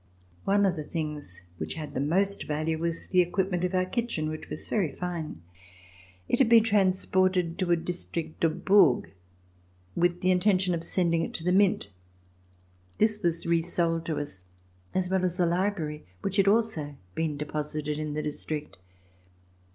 One of the things which had the most value was the equipment of our kitchen, which was very fine. It had been transported to a district of Bourg with the intention of sending it to the mint. This was re sold to us, as well as the library which had also been deposited in the district.